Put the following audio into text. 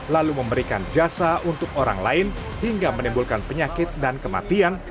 lalu memberikan jasa untuk orang lain hingga menimbulkan penyakit dan kematian